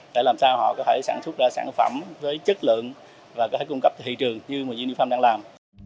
để làm sao họ có thể sản xuất ra sản phẩm với chất lượng và có thể cung cấp thị trường như unifarm đang làm